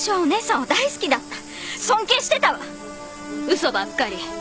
嘘ばっかり。